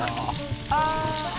ああ。